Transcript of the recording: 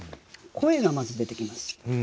「声」がまず出てきます。